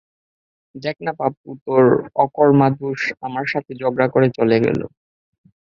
দেখনা পাপ্পু, তোর অকর্মা দোস, আমার সাথে ঝগড়া করে চলে গেলো।